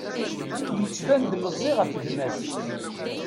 Yettban-d meẓẓi ɣef gma-s.